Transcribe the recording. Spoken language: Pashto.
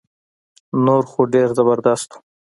نور خو ډير زبردست وو